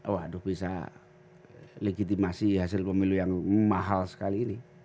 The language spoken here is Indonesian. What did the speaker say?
waduh bisa legitimasi hasil pemilu yang mahal sekali ini